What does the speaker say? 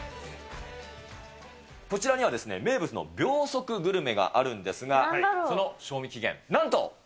こちらには名物の秒速グルメがあるんですけれども、その賞味期限、え？